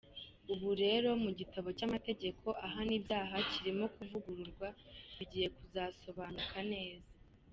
Ubu rero mu gitabo cy’amategeko ahana ibyaha kirimo kuvugururwa bigiye kuzasobanuka neza.